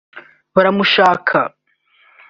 “Baramushaka”